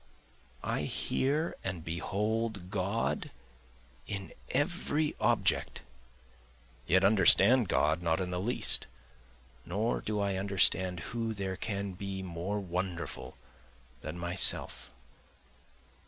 I hear and behold God in every object, yet understand God not in the least, Nor do I understand who there can be more wonderful than myself.